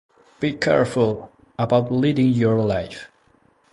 Be careful about leading your life.